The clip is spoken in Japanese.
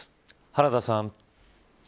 原田さん。